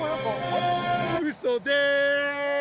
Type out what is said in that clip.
うそです！